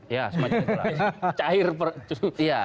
ya semacam itu lah